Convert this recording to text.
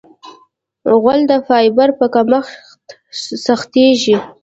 غول د فایبر په کمښت سختېږي.